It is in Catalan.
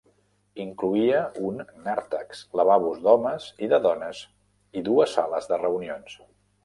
Incloïa un nàrtex, lavabos d'homes i de dones i dues sales de reunions.